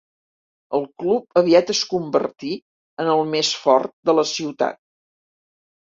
El club aviat en convertí en el més fort de la ciutat.